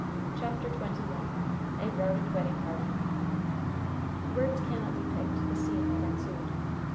CHAPTER XXI A ROUTED WEDDING PARTY Words cannot depict the scene that ensued.